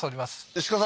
石川さん